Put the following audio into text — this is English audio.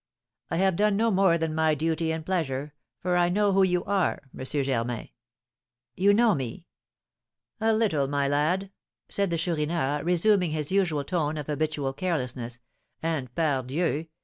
"I have done no more than my duty and pleasure, for I know who you are Monsieur Germain." "You know me!" "A little, my lad," said the Chourineur, resuming his usual tone of habitual carelessness; "and, _pardieu!